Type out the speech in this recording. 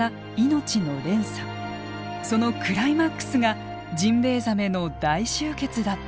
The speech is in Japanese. そのクライマックスがジンベエザメの大集結だったのです。